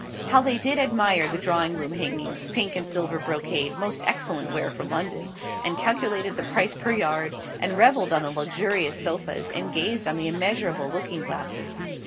How they did admire the drawing room hangings, (pink and silver brocade, most excellent wear for London,) and calculated the price per yard; and revelled on the luxurious sofas; and gazed on the immeasurable looking glasses.